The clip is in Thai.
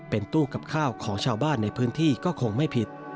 เป็นตู้กับข้าวของชาวบ้านในพื้นที่ก็คงไม่ผิด